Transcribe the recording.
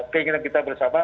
keinginan kita bersama